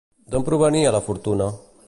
D'on provenia la fortuna?